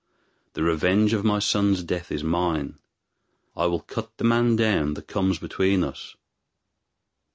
The revenge of my son's death is mine. I will cut the man down that comes between us."